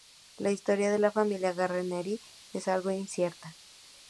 La historia de la familia Guarneri es algo incierta.